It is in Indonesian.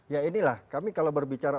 ya inilah kami kalau berbicara